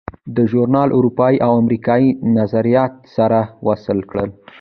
دا ژورنال اروپایي او امریکایي نظریات سره وصل کړل.